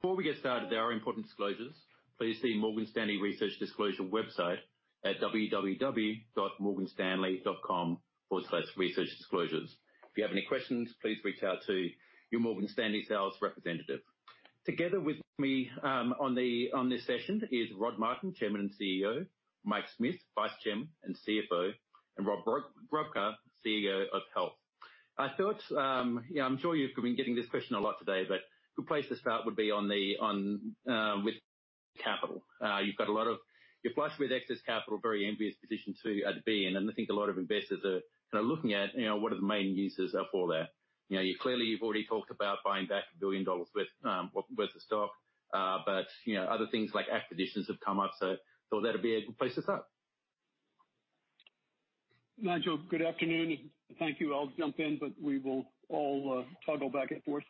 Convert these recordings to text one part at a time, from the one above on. Before we get started, there are important disclosures. Please see Morgan Stanley research disclosure website at www.morganstanley.com/researchdisclosures. If you have any questions, please reach out to your Morgan Stanley sales representative. Together with me on this session is Rod Martin, Chairman and CEO, Mike Smith, Vice Chairman and CFO, and Rob Grubka, CEO of Health. Good place to start would be with capital. You're blessed with excess capital, very envious position to be in, and I think a lot of investors are looking at what are the main uses are for that. Clearly, you've already talked about buying back $1 billion worth of stock, other things like acquisitions have come up. Thought that'd be a good place to start. Nigel, good afternoon. Thank you. I'll jump in, we will all toggle back and forth.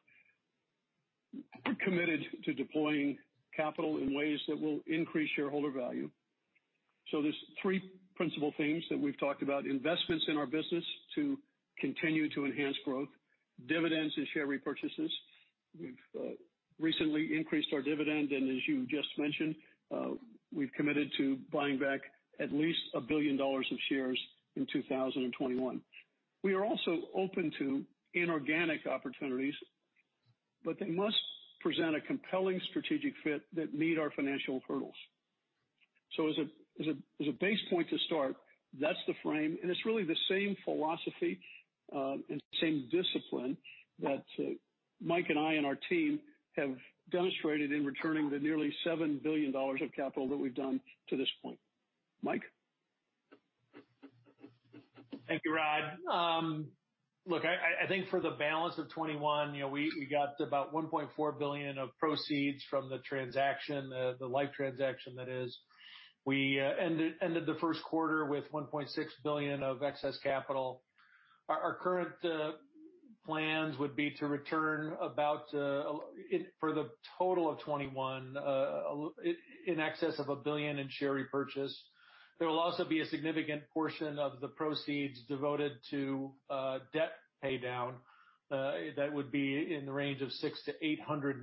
We're committed to deploying capital in ways that will increase shareholder value. There's three principal themes that we've talked about, investments in our business to continue to enhance growth, dividends and share repurchases. We've recently increased our dividend, and as you just mentioned, we've committed to buying back at least $1 billion of shares in 2021. We are also open to inorganic opportunities, they must present a compelling strategic fit that meet our financial hurdles. As a base point to start, that's the frame, and it's really the same philosophy, and same discipline that Mike and I and our team have demonstrated in returning the nearly $7 billion of capital that we've done to this point. Mike? Thank you, Rod. Look, I think for the balance of 2021, we got about $1.4 billion of proceeds from the transaction, the life transaction that is. We ended the first quarter with $1.6 billion of excess capital. Our current plans would be to return about, for the total of 2021, in excess of $1 billion in share repurchase. There will also be a significant portion of the proceeds devoted to debt paydown. That would be in the range of $600 million-$800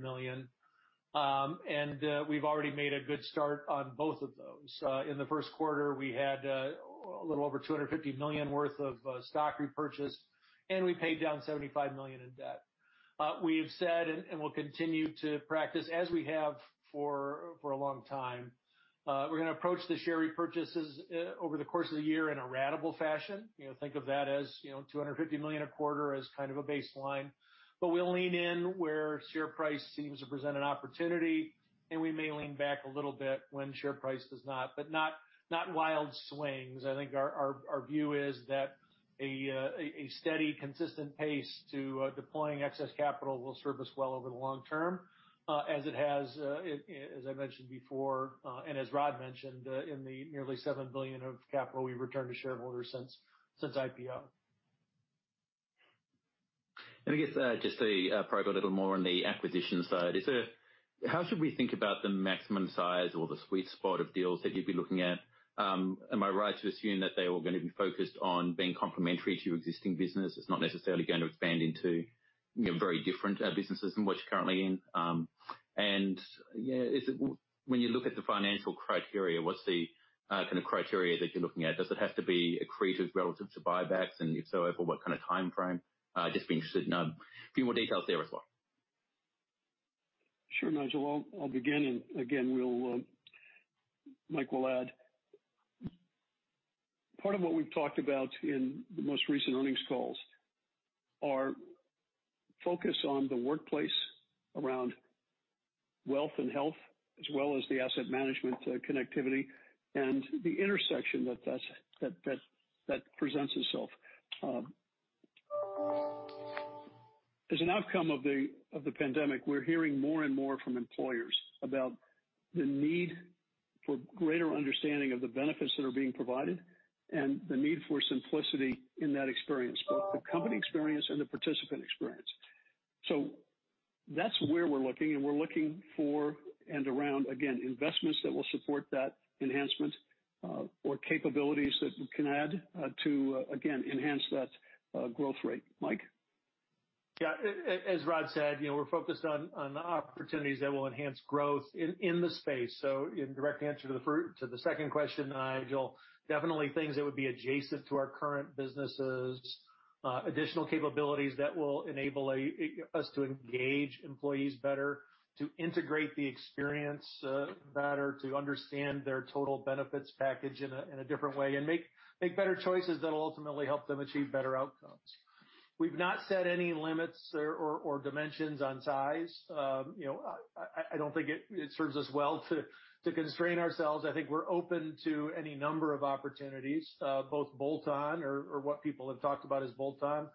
million. We've already made a good start on both of those. In the first quarter, we had a little over $250 million worth of stock repurchase, and we paid down $75 million in debt. We have said, and will continue to practice as we have for a long time, we're going to approach the share repurchases over the course of the year in a ratable fashion. Think of that as $250 million a quarter as kind of a baseline. We'll lean in where share price seems to present an opportunity, and we may lean back a little bit when share price does not wild swings. I think our view is that a steady, consistent pace to deploying excess capital will serve us well over the long term, as it has, as I mentioned before, and as Rod mentioned, in the nearly $7 billion of capital we've returned to shareholders since IPO. Let me just probe a little more on the acquisition side. How should we think about the maximum size or the sweet spot of deals that you would be looking at? Am I right to assume that they are all going to be focused on being complementary to your existing business? It is not necessarily going to expand into very different businesses than what you are currently in. When you look at the financial criteria, what is the kind of criteria that you are looking at? Does it have to be accretive relative to buybacks, and if so, over what kind of timeframe? Just be interested to know a few more details there as well. Sure, Nigel. I will begin, and again, Mike will add. Part of what we have talked about in the most recent earnings calls are focused on the workplace around wealth and health, as well as the asset management connectivity and the intersection that presents itself. As an outcome of the pandemic, we are hearing more and more from employers about the need for greater understanding of the benefits that are being provided and the need for simplicity in that experience, both the company experience and the participant experience. That is where we are looking, and we are looking for and around, again, investments that will support that enhancement or capabilities that can add to, again, enhance that growth rate. Mike? As Rod said, we are focused on the opportunities that will enhance growth in the space. In direct answer to the second question, Nigel, definitely things that would be adjacent to our current businesses, additional capabilities that will enable us to engage employees better, to integrate the experience better, to understand their total benefits package in a different way, and make better choices that will ultimately help them achieve better outcomes. We have not set any limits or dimensions on size. I do not think it serves us well to constrain ourselves. I think we are open to any number of opportunities, both bolt-on or what people have talked about as bolt-on,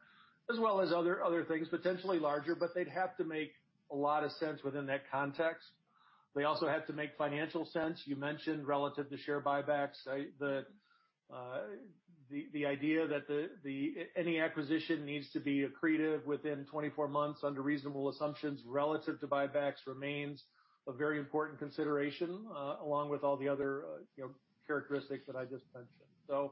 as well as other things potentially larger, but they would have to make a lot of sense within that context. They also have to make financial sense. You mentioned relative to share buybacks. The idea that any acquisition needs to be accretive within 24 months under reasonable assumptions relative to buybacks remains a very important consideration, along with all the other characteristics that I just mentioned.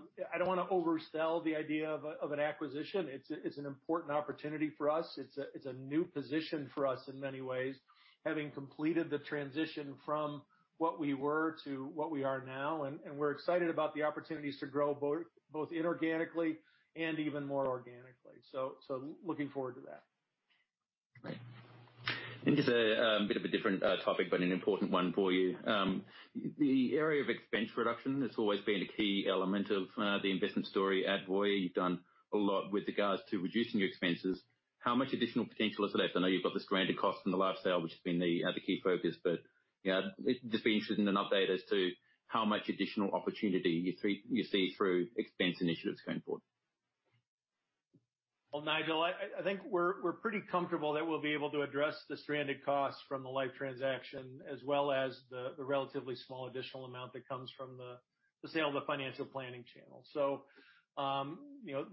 I do not want to oversell the idea of an acquisition. It is an important opportunity for us. It is a new position for us in many ways, having completed the transition from what we were to what we are now, and we are excited about the opportunities to grow both inorganically and even more organically. Looking forward to that. Right. Just a bit of a different topic, but an important one for you. The area of expense reduction has always been a key element of the investment story at Voya. You've done a lot with regards to reducing your expenses. How much additional potential is left? I know you've got the stranded cost from the Life sale, which has been the other key focus, but just be interested in an update as to how much additional opportunity you see through expense initiatives going forward. Well, Nigel, I think we're pretty comfortable that we'll be able to address the stranded costs from the Life transaction, as well as the relatively small additional amount that comes from the sale of the financial planning channel.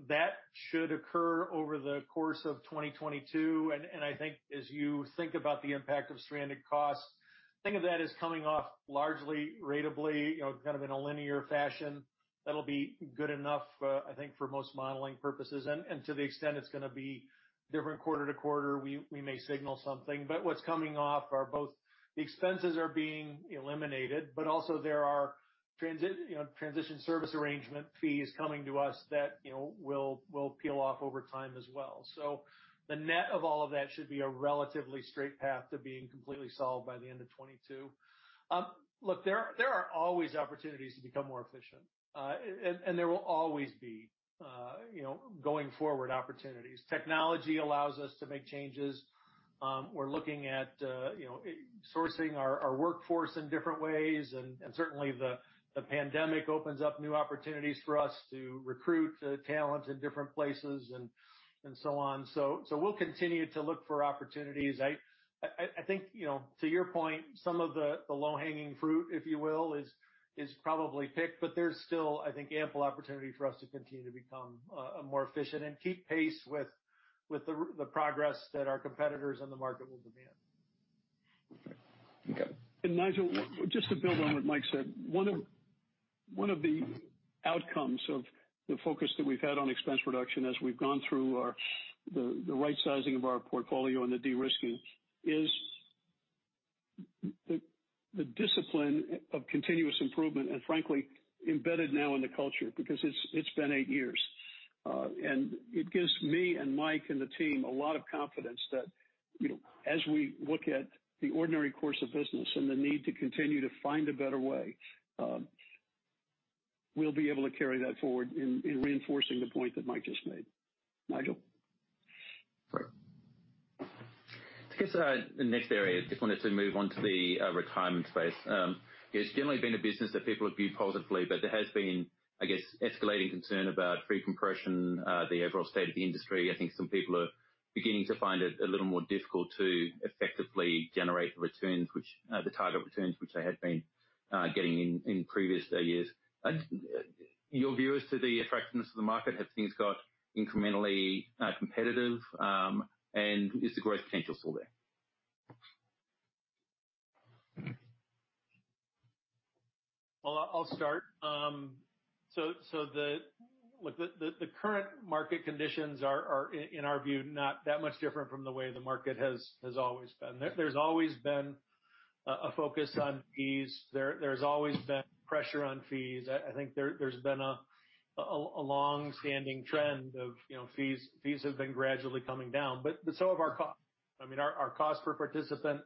That should occur over the course of 2022, and I think as you think about the impact of stranded costs, think of that as coming off largely ratably, kind of in a linear fashion. That'll be good enough, I think for most modeling purposes, and to the extent it's going to be different quarter to quarter, we may signal something. What's coming off are both the expenses are being eliminated, but also there are transition service arrangement fees coming to us that will peel off over time as well. The net of all of that should be a relatively straight path to being completely solved by the end of 2022. Look, there are always opportunities to become more efficient. There will always be going forward opportunities. Technology allows us to make changes. We're looking at sourcing our workforce in different ways and certainly the pandemic opens up new opportunities for us to recruit talent in different places and so on. We'll continue to look for opportunities. I think, to your point, some of the low-hanging fruit, if you will, is probably picked, but there's still, I think, ample opportunity for us to continue to become more efficient and keep pace with the progress that our competitors and the market will demand. Okay. Nigel, just to build on what Mike said, one of the outcomes of the focus that we've had on expense reduction as we've gone through the right sizing of our portfolio and the de-risking is the discipline of continuous improvement, and frankly embedded now in the culture because it's been eight years. It gives me and Mike and the team a lot of confidence that as we look at the ordinary course of business and the need to continue to find a better way, we'll be able to carry that forward in reinforcing the point that Mike just made. Nigel? Great. I guess the next area, just wanted to move on to the retirement space. It's generally been a business that people have viewed positively, but there has been, I guess, escalating concern about fee compression, the overall state of the industry. I think some people are beginning to find it a little more difficult to effectively generate the target returns which they had been getting in previous years. Your view as to the attractiveness of the market, have things got incrementally competitive? Is the growth potential still there? Well, I'll start. Look, the current market conditions are, in our view, not that much different from the way the market has always been. There's always been a focus on fees. There's always been pressure on fees. I think there's been a long-standing trend of fees have been gradually coming down, but so have our cost. Our cost per participant,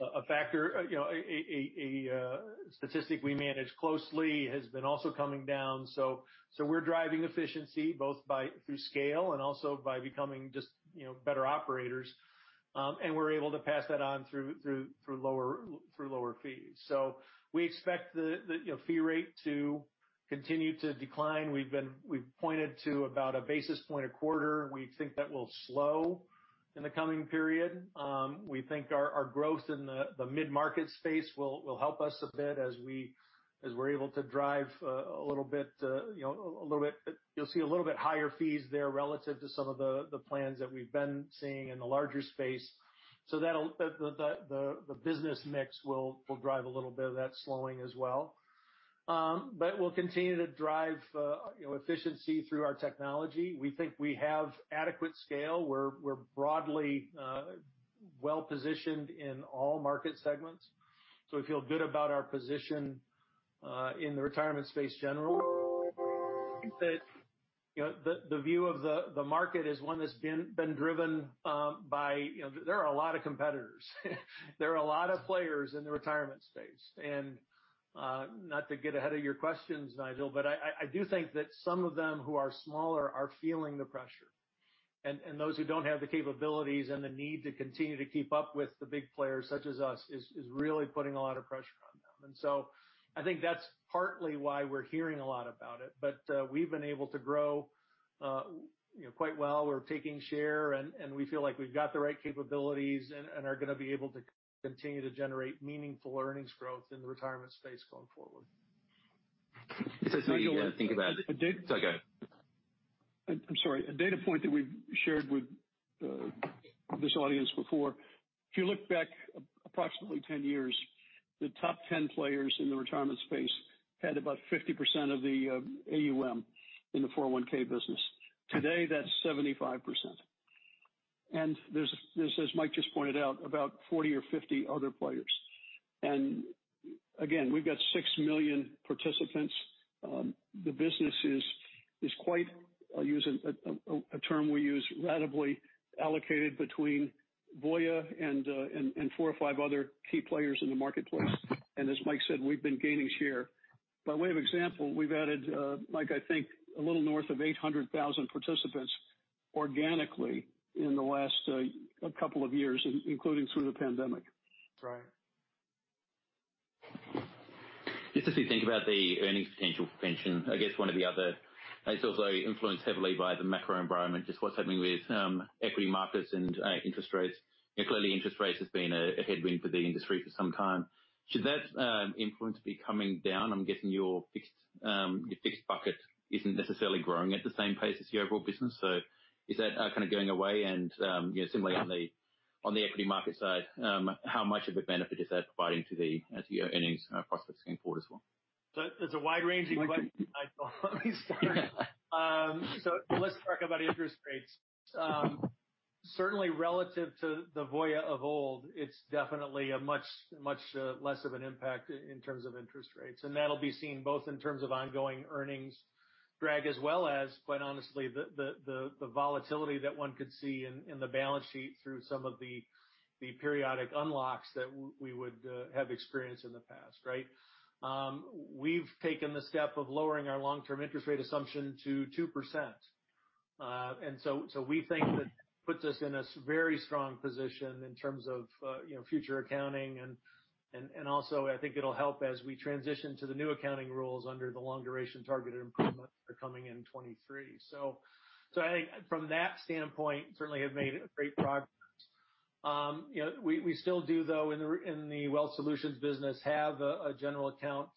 a factor, a statistic we manage closely has been also coming down. We're driving efficiency both through scale and also by becoming just better operators. We're able to pass that on through lower fees. We expect the fee rate to continue to decline. We've pointed to about 1 basis point a quarter. We think that will slow in the coming period. We think our growth in the mid-market space will help us a bit as we're able to drive a little bit higher fees there relative to some of the plans that we've been seeing in the larger space. The business mix will drive a little bit of that slowing as well. We'll continue to drive efficiency through our technology. We think we have adequate scale. We're broadly well-positioned in all market segments. We feel good about our position in the retirement space generally. I think that the view of the market is one that's been driven by. There are a lot of competitors. There are a lot of players in the retirement space. Not to get ahead of your questions, Nigel, but I do think that some of them who are smaller are feeling the pressure. Those who don't have the capabilities and the need to continue to keep up with the big players such as us is really putting a lot of pressure on them. I think that's partly why we're hearing a lot about it. We've been able to grow quite well. We're taking share, and we feel like we've got the right capabilities and are going to be able to continue to generate meaningful earnings growth in the retirement space going forward. Just to think about- How you want- Sorry, go ahead. I'm sorry. A data point that we've shared with this audience before, if you look back approximately 10 years, the top 10 players in the retirement space had about 50% of the AUM in the 401 business. Today, that's 75%. There's, as Mike just pointed out, about 40 or 50 other players. Again, we've got 6 million participants. The business is quite, I'll use a term we use, ratably allocated between Voya and four or five other key players in the marketplace. As Mike said, we've been gaining share. By way of example, we've added, Mike, I think, a little north of 800,000 participants organically in the last couple of years, including through the pandemic. That's right. Just as we think about the earnings potential pension, it's also influenced heavily by the macro environment, just what's happening with equity markets and interest rates. Clearly, interest rates has been a headwind for the industry for some time. Should that influence be coming down? I'm guessing your fixed bucket isn't necessarily growing at the same pace as your overall business. Is that kind of going away? Similarly on the equity market side, how much of a benefit is that providing to your earnings prospects going forward as well? That's a wide-ranging question, Michael. Let me start. Let's talk about interest rates. Certainly relative to the Voya of old, it's definitely a much less of an impact in terms of interest rates. That'll be seen both in terms of ongoing earnings drag as well as, quite honestly, the volatility that one could see in the balance sheet through some of the periodic unlocks that we would have experienced in the past, right? We've taken the step of lowering our long-term interest rate assumption to 2%. Also, I think it'll help as we transition to the new accounting rules under the Long-Duration Targeted Improvements that are coming in 2023. I think from that standpoint, certainly have made great progress. We still do, though, in the Wealth Solutions business, have a general account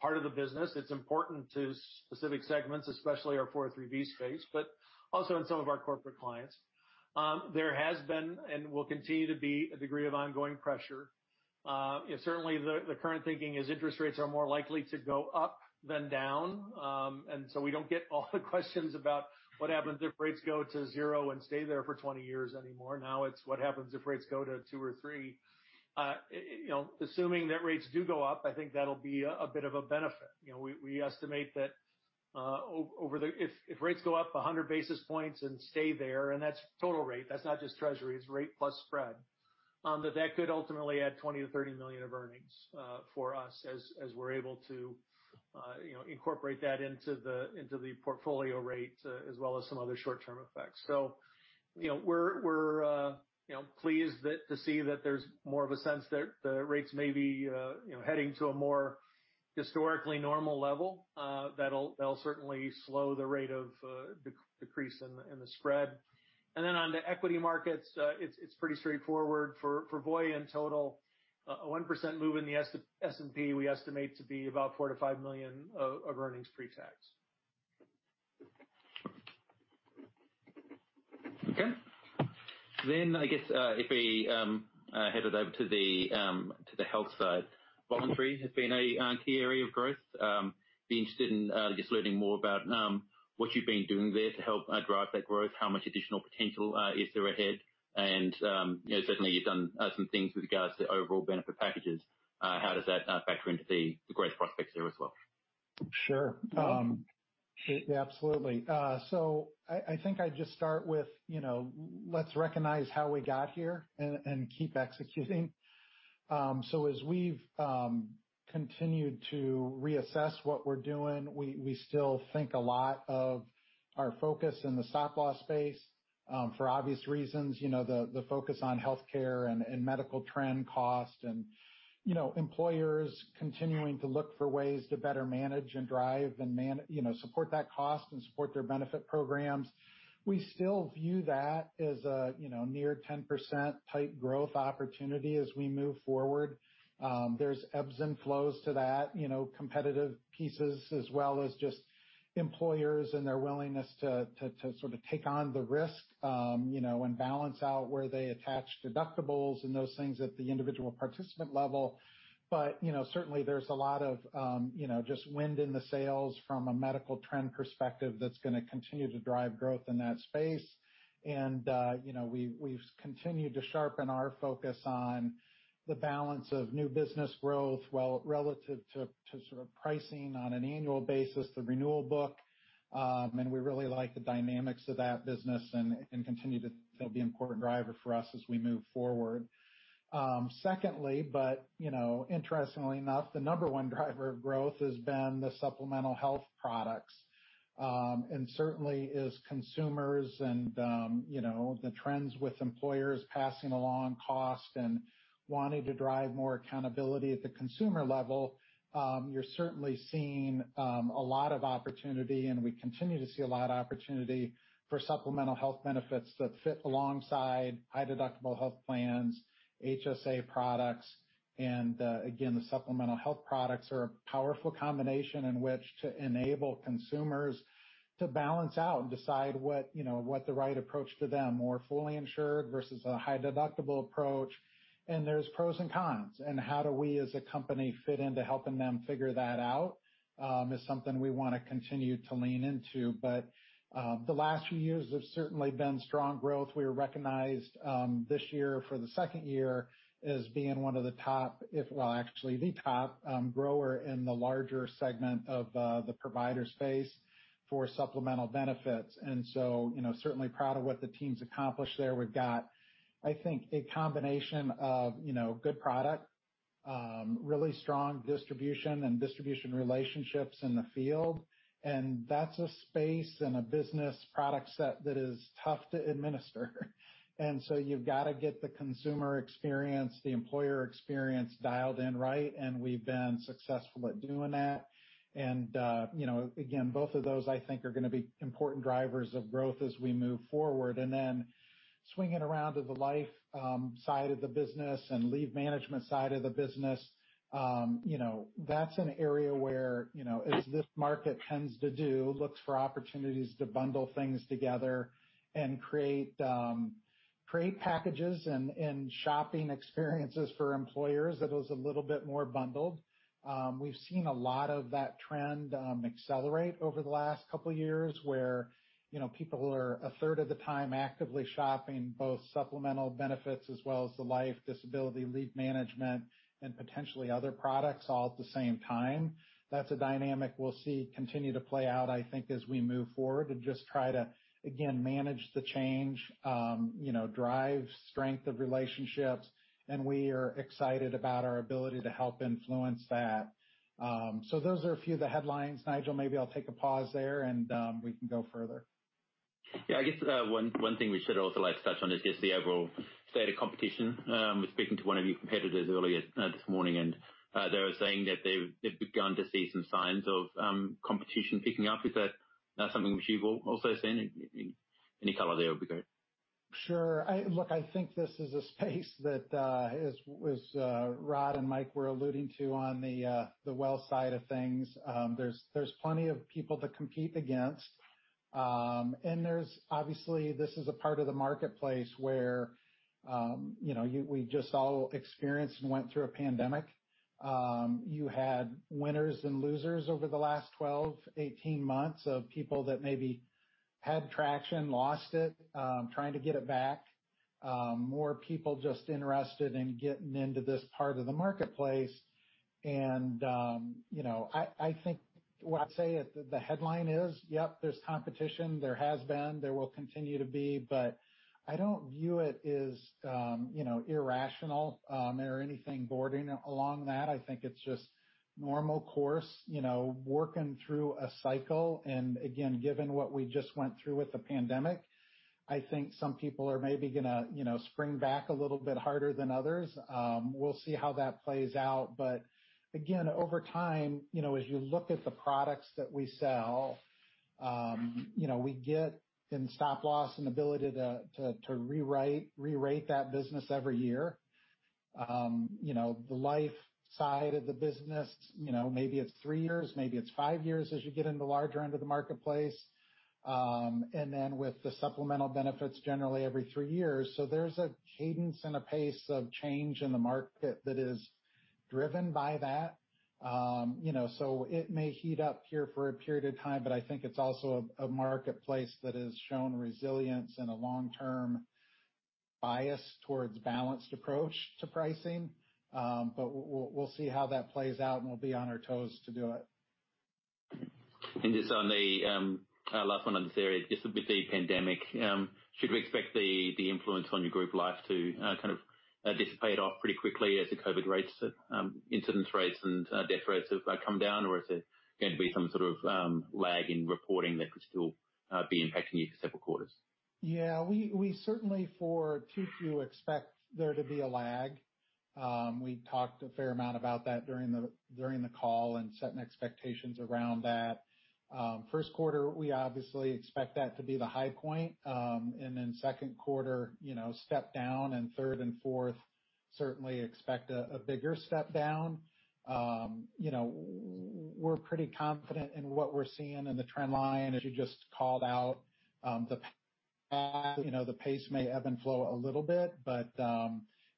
part of the business. It's important to specific segments, especially our 403 space, but also in some of our corporate clients. There has been and will continue to be a degree of ongoing pressure. Certainly, the current thinking is interest rates are more likely to go up than down. We don't get all the questions about what happens if rates go to zero and stay there for 20 years anymore. Now it's what happens if rates go to two or three. Assuming that rates do go up, I think that'll be a bit of a benefit. We estimate that if rates go up 100 basis points and stay there, and that's total rate, that's not just treasuries, rate plus spread, that could ultimately add $20 million to $30 million of earnings for us as we're able to incorporate that into the portfolio rate, as well as some other short-term effects. We're pleased to see that there's more of a sense that the rates may be heading to a more historically normal level. That'll certainly slow the rate of decrease in the spread. On the equity markets, it's pretty straightforward. For Voya in total, a 1% move in the S&P, we estimate to be about $4 million to $5 million of earnings pre-tax. I guess if we head it over to the health side. Voluntary has been a key area of growth. Be interested in just learning more about what you've been doing there to help drive that growth. How much additional potential is there ahead? Certainly, you've done some things with regards to overall benefit packages. How does that factor into the growth prospects there as well? I think I'd just start with, let's recognize how we got here and keep executing. As we've continued to reassess what we're doing, we still think a lot of our focus in the Stop Loss space for obvious reasons, the focus on healthcare and medical trend cost and employers continuing to look for ways to better manage and drive and support that cost and support their benefit programs. We still view that as a near 10% type growth opportunity as we move forward. There's ebbs and flows to that, competitive pieces as well as just employers and their willingness to sort of take on the risk, and balance out where they attach deductibles and those things at the individual participant level. Certainly there's a lot of just wind in the sails from a medical trend perspective that's going to continue to drive growth in that space. We've continued to sharpen our focus on the balance of new business growth while relative to sort of pricing on an annual basis, the renewal book. We really like the dynamics of that business and continue to be an important driver for us as we move forward. Secondly, interestingly enough, the number 1 driver of growth has been the supplemental health products. Certainly as consumers and the trends with employers passing along cost and wanting to drive more accountability at the consumer level You're certainly seeing a lot of opportunity, we continue to see a lot of opportunity for supplemental health benefits that fit alongside high-deductible health plans, HSA products. Again, the supplemental health products are a powerful combination in which to enable consumers to balance out and decide what the right approach to them, more fully insured versus a high-deductible approach. There's pros and cons. How do we, as a company, fit into helping them figure that out is something we want to continue to lean into. The last few years have certainly been strong growth. We were recognized this year for the second year as being one of the top grower in the larger segment of the provider space for supplemental benefits. Certainly proud of what the team's accomplished there. We've got, I think, a combination of good product, really strong distribution and distribution relationships in the field. That's a space and a business product set that is tough to administer. You've got to get the consumer experience, the employer experience dialed in right, and we've been successful at doing that. Again, both of those, I think, are going to be important drivers of growth as we move forward. Swinging around to the life side of the business and leave management side of the business. That's an area where, as this market tends to do, looks for opportunities to bundle things together and create packages and shopping experiences for employers that is a little bit more bundled. We've seen a lot of that trend accelerate over the last couple of years, where people are a third of the time actively shopping both supplemental benefits as well as the life disability leave management and potentially other products all at the same time. That's a dynamic we'll see continue to play out, I think, as we move forward and just try to, again, manage the change, drive strength of relationships, and we are excited about our ability to help influence that. Those are a few of the headlines, Nigel. Maybe I'll take a pause there, and we can go further. I guess one thing we should also touch on is just the overall state of competition. I was speaking to one of your competitors earlier this morning, they were saying that they've begun to see some signs of competition picking up. Is that something which you've also seen? Any color there would be great. Sure. Look, I think this is a space that as Rod and Mike were alluding to on the Wealth Solutions side of things, there's plenty of people to compete against. Obviously, this is a part of the marketplace where we just all experienced and went through a pandemic. You had winners and losers over the last 12, 18 months of people that maybe had traction, lost it, trying to get it back. More people just interested in getting into this part of the marketplace. I think what I'd say the headline is, yep, there's competition. There has been. There will continue to be. I don't view it as irrational or anything bordering along that. I think it's just normal course, working through a cycle. Again, given what we just went through with the pandemic, I think some people are maybe going to spring back a little bit harder than others. We'll see how that plays out. Again, over time, as you look at the products that we sell, we get in Stop Loss and ability to re-rate that business every year. The life side of the business maybe it's three years, maybe it's five years as you get in the larger end of the marketplace. Then with the supplemental benefits, generally every three years. There's a cadence and a pace of change in the market that is driven by that. It may heat up here for a period of time, I think it's also a marketplace that has shown resilience and a long-term bias towards balanced approach to pricing. We'll see how that plays out, and we'll be on our toes to do it. Just on the last one on this area, just with the pandemic, should we expect the influence on your group life to kind of dissipate off pretty quickly as the COVID incidence rates and death rates have come down? Is there going to be some sort of lag in reporting that could still be impacting you for several quarters? Yeah. We certainly for 2Q expect there to be a lag. We talked a fair amount about that during the call and setting expectations around that. First quarter, we obviously expect that to be the high point. Second quarter, step down, third and fourth, certainly expect a bigger step down. We're pretty confident in what we're seeing in the trend line, as you just called out. The pace may ebb and flow a little bit,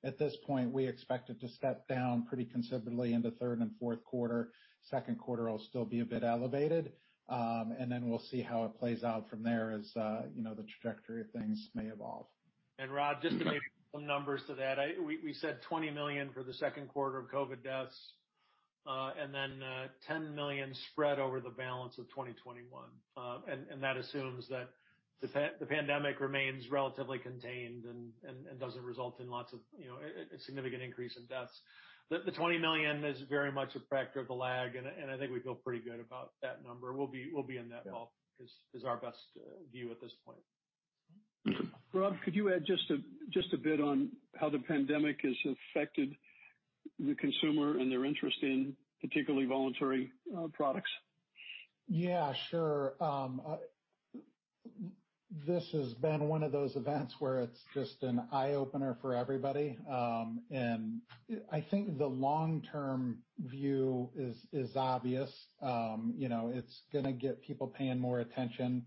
at this point, we expect it to step down pretty considerably into third and fourth quarter. Second quarter will still be a bit elevated. We'll see how it plays out from there as the trajectory of things may evolve. Rod, just to maybe put some numbers to that. We said $20 million for the second quarter of COVID deaths, $10 million spread over the balance of 2021. That assumes that the pandemic remains relatively contained and doesn't result in lots of significant increase in deaths. The $20 million is very much a factor of the lag, I think we feel pretty good about that number. We'll be in that ballpark is our best view at this point. Rob, could you add just a bit on how the pandemic has affected the consumer and their interest in particularly voluntary products? Yeah, sure. This has been one of those events where it's just an eye-opener for everybody. I think the long-term view is obvious. It's going to get people paying more attention.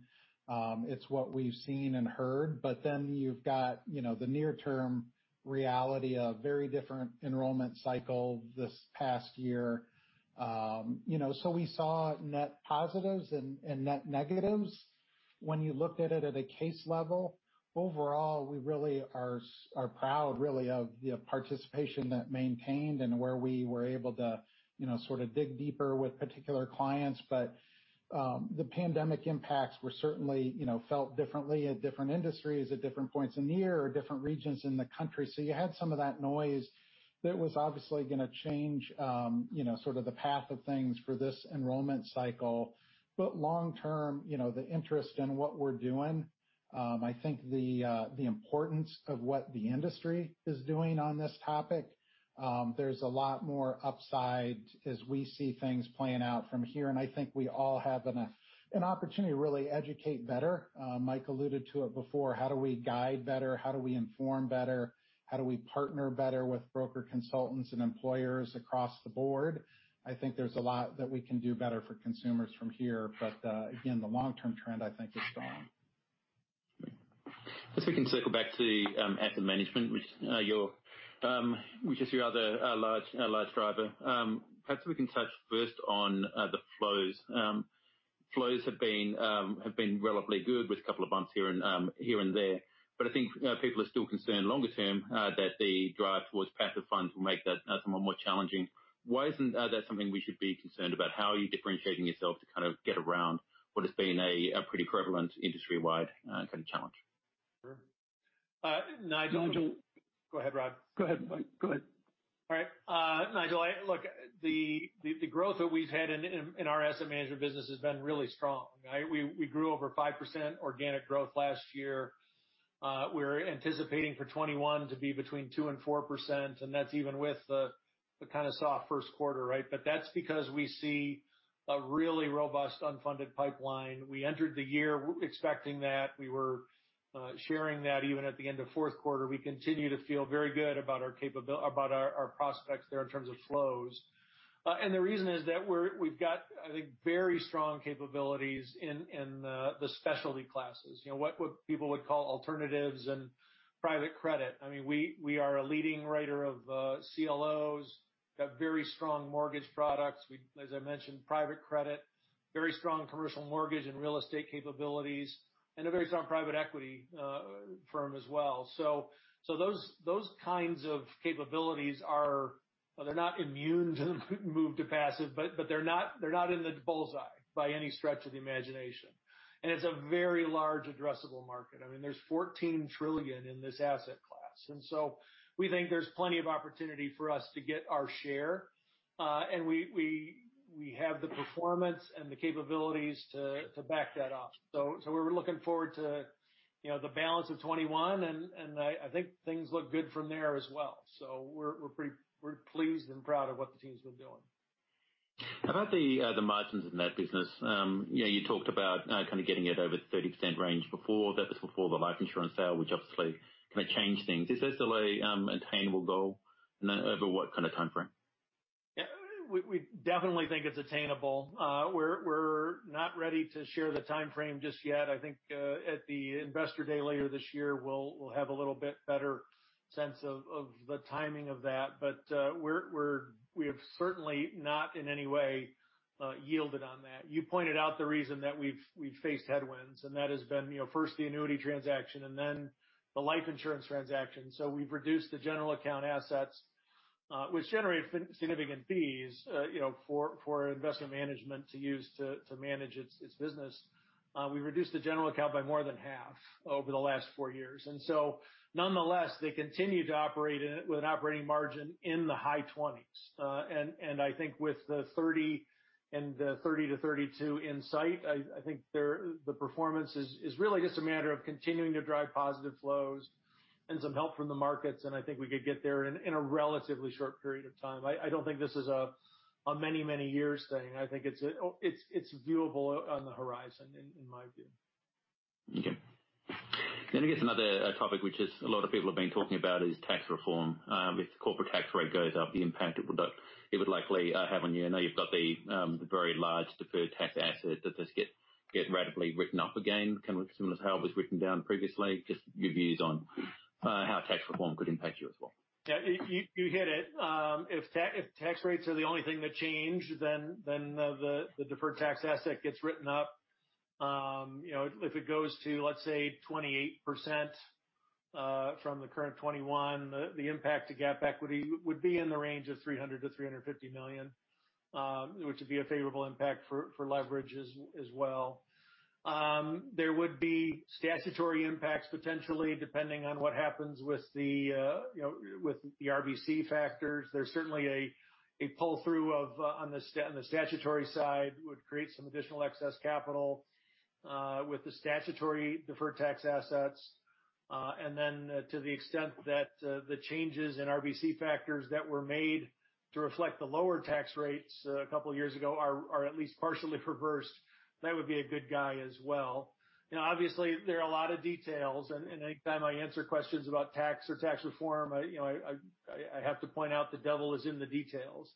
It's what we've seen and heard, you've got the near-term reality of very different enrollment cycle this past year. We saw net positives and net negatives when you looked at it at a case level. Overall, we really are proud really of the participation that maintained and where we were able to sort of dig deeper with particular clients. The pandemic impacts were certainly felt differently at different industries, at different points in the year or different regions in the country. You had some of that noise that was obviously going to change sort of the path of things for this enrollment cycle. Long term, the interest in what we're doing, I think the importance of what the industry is doing on this topic, there's a lot more upside as we see things playing out from here, I think we all have an opportunity to really educate better. Mike alluded to it before. How do we guide better? How do we inform better? How do we partner better with broker consultants and employers across the board? I think there's a lot that we can do better for consumers from here. Again, the long-term trend, I think, is strong. I guess we can circle back to asset management, which is your other large driver. Perhaps we can touch first on the flows. Flows have been relatively good with a couple of bumps here and there. I think people are still concerned longer term that the drive towards passive funds will make that somewhat more challenging. Why isn't that something we should be concerned about? How are you differentiating yourself to kind of get around what has been a pretty prevalent industry-wide kind of challenge? Sure. Nigel. Nigel. Go ahead, Rob. Go ahead, Mike. Go ahead. All right. Nigel, look, the growth that we've had in our asset management business has been really strong, right? We grew over 5% organic growth last year. We're anticipating for 2021 to be between 2% and 4%, and that's even with the kind of soft first quarter, right? That's because we see a really robust unfunded pipeline. We entered the year expecting that. We were sharing that even at the end of fourth quarter. We continue to feel very good about our prospects there in terms of flows. The reason is that we've got, I think, very strong capabilities in the specialty classes, what people would call alternatives and private credit. I mean, we are a leading writer of CLOs, got very strong mortgage products. We, as I mentioned, private credit, very strong commercial mortgage and real estate capabilities, and a very strong private equity firm as well. Those kinds of capabilities are, well, they're not immune to the move to passive, they're not in the bull's eye by any stretch of the imagination. It's a very large addressable market. I mean, there's $14 trillion in this asset class. We think there's plenty of opportunity for us to get our share. We have the performance and the capabilities to back that up. We're looking forward to the balance of 2021, I think things look good from there as well. We're pleased and proud of what the team's been doing. About the margins in that business, you talked about kind of getting it over the 30% range before. That was before the life insurance sale, which obviously kind of changed things. Is this still an attainable goal? Over what kind of timeframe? Yeah. We definitely think it's attainable. We're not ready to share the timeframe just yet. I think at the investor day later this year, we'll have a little bit better sense of the timing of that. We have certainly not in any way yielded on that. You pointed out the reason that we've faced headwinds, that has been first the annuity transaction and then the life insurance transaction. We've reduced the general account assets, which generate significant fees for investment management to use to manage its business. We reduced the general account by more than half over the last four years. Nonetheless, they continue to operate in it with an operating margin in the high 20s. I think with the 30-32 in sight, I think the performance is really just a matter of continuing to drive positive flows and some help from the markets, I think we could get there in a relatively short period of time. I don't think this is a many years thing. I think it's viewable on the horizon in my view. Okay. I guess another topic, which a lot of people have been talking about is tax reform. If the corporate tax rate goes up, the impact it would likely have on you. I know you've got the very large deferred tax asset. Does this get radically written off again, kind of similar to how it was written down previously? Just your views on how tax reform could impact you as well. Yeah. You hit it. If tax rates are the only thing that change, the deferred tax asset gets written up. If it goes to, let's say, 28%, from the current 21%, the impact to GAAP equity would be in the range of $300 million-$350 million, which would be a favorable impact for leverage as well. There would be statutory impacts potentially, depending on what happens with the RBC factors. There's certainly a pull-through on the statutory side would create some additional excess capital, with the statutory deferred tax assets. To the extent that the changes in RBC factors that were made to reflect the lower tax rates a couple of years ago are at least partially reversed. That would be a good guy as well. Obviously, there are a lot of details, anytime I answer questions about tax or tax reform, I have to point out the devil is in the details.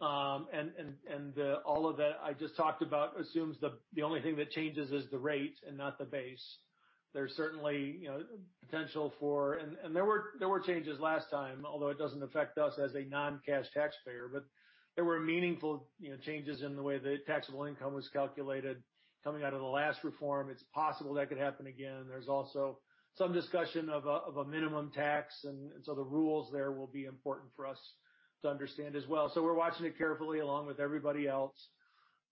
All of that I just talked about assumes the only thing that changes is the rate and not the base. There's certainly potential for. There were changes last time, although it doesn't affect us as a non-cash taxpayer, but there were meaningful changes in the way the taxable income was calculated coming out of the last reform. It's possible that could happen again. There's also some discussion of a minimum tax, the rules there will be important for us to understand as well. We're watching it carefully along with everybody else.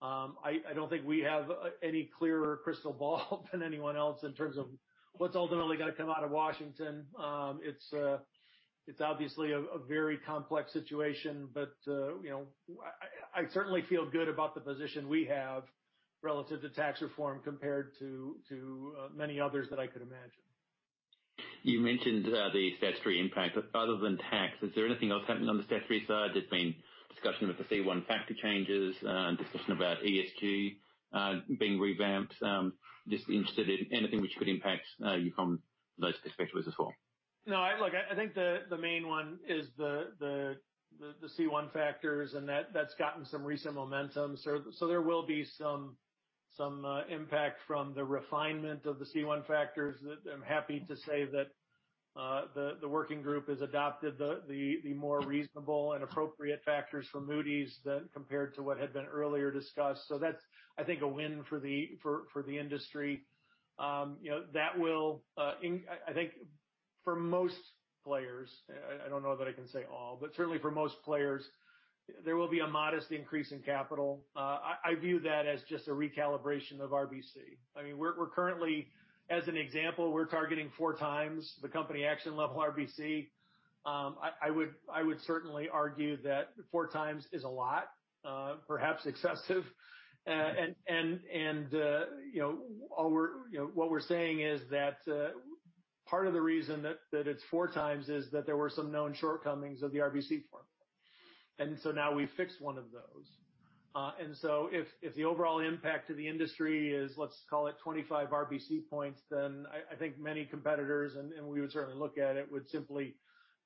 I don't think we have any clearer crystal ball than anyone else in terms of what's ultimately going to come out of Washington. It's obviously a very complex situation. I certainly feel good about the position we have relative to tax reform compared to many others that I could imagine. You mentioned the statutory impact. Other than tax, is there anything else happening on the statutory side? There's been discussion about the C1 factor changes, discussion about ESG being revamped. Just interested in anything which could impact you from those perspectives as well. No. Look, I think the main one is the C1 factors, and that's gotten some recent momentum. There will be some impact from the refinement of the C1 factors that I'm happy to say that the working group has adopted the more reasonable and appropriate factors from Moody's compared to what had been earlier discussed. That's, I think, a win for the industry. I think for most players, I don't know that I can say all, but certainly for most players, there will be a modest increase in capital. I view that as just a recalibration of RBC. As an example, we're targeting four times the Company Action Level RBC. I would certainly argue that four times is a lot. Perhaps excessive. What we're saying is that part of the reason that it's four times is that there were some known shortcomings of the RBC formula. Now we've fixed one of those. If the overall impact to the industry is, let's call it 25 RBC points, I think many competitors, and we would certainly look at it, would simply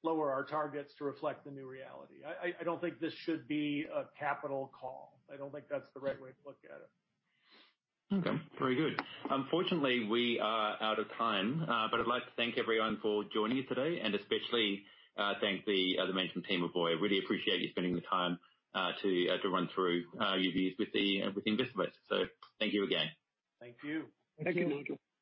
lower our targets to reflect the new reality. I don't think this should be a capital call. I don't think that's the right way to look at it. Okay. Very good. Unfortunately, we are out of time. I'd like to thank everyone for joining today, and especially thank the management team of Voya. Really appreciate you spending the time to run through your views with the investment. Thank you again. Thank you. Thank you.